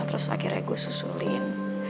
terus akhirnya gue susulin